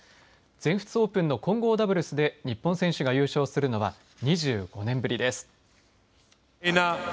全仏オープンの混合ダブルスで日本選手が優勝するのは２５年ぶりです。